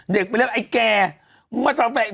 เด็กไปเรียกว่าไอ้แก่